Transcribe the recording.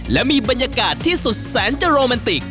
และมีบรรยากาศที่สุดแสนจะโรแมนติก